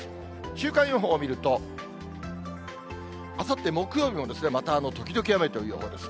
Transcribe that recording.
週間予報を見ると、あさって木曜日もまた時々雨という予報です。